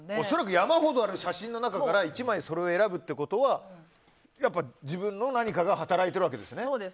恐らく山ほどある写真の中から１枚それを選ぶってことは自分の何かが働いてるわけですよね。